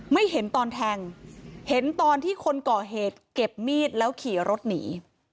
ไม่เห็นตอนแทงเห็นตอนที่คนก่อเหตุเก็บมีดแล้วขี่รถหนี